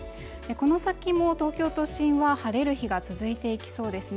この先も東京都心は晴れる日が続いていきそうですね